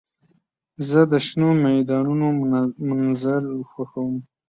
زه د شنو میدانونو منظر خوښوم.